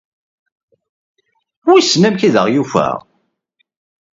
Wissen amek i aɣ-yufa ?